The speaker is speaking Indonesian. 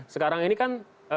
sekarang ini kan